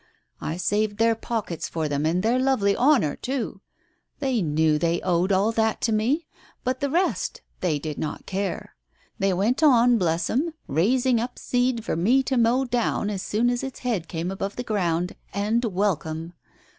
I saved their pockets for them and their lovely honour too. They knew they owed all that to me. For the rest, they did not care. They went on, bless 'em, raising up seed for me to mow down as soon as its head came above ground, and welcome